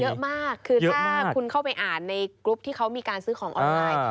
เยอะมากคือถ้าคุณเข้าไปอ่านในกรุ๊ปที่เขามีการซื้อของออนไลน์